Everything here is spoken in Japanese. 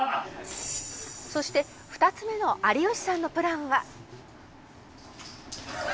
「そして２つ目の有吉さんのプランは」